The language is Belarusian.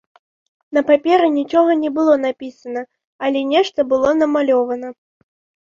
На паперы нічога не было напісана, але нешта было намалёвана.